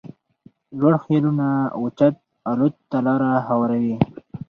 لوړ خيالونه اوچت الوت ته لاره هواروي.